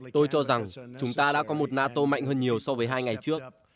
tôi cho rằng chúng ta đã có một nato mạnh hơn nhiều so với hai ngày trước